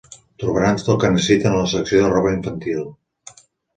Trobaran tot el que necessiten a la secció de roba infantil.